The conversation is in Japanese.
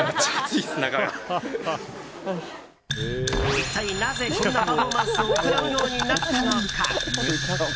一体なぜ、こんなパフォーマンスを行うようになったのか。